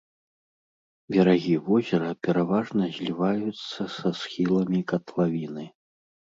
Берагі возера пераважна зліваюцца са схіламі катлавіны.